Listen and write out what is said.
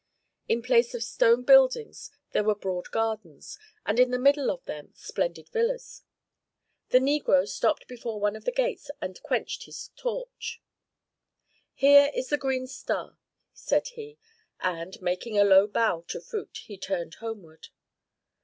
In place of stone buildings there were broad gardens, and in the middle of them splendid villas. The negro stopped before one of the gates and quenched his torch. "Here is the 'Green Star,'" said he, and, making a low bow to Phut, he turned homeward.